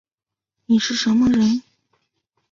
你是什么人